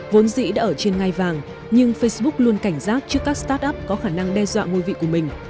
vốn dĩ đã ở trên ngai vàng nhưng facebook luôn cảnh giác trước các start up có khả năng đe dọa ngôi vị của mình